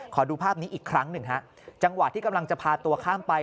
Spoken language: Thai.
ขอดูภาพนี้อีกครั้งหนึ่งฮะจังหวะที่กำลังจะพาตัวข้ามไป